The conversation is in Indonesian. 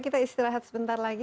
kita istirahat sebentar lagi